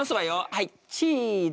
はいチーズ！